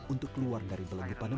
untuk keluar dari pelangi pandemi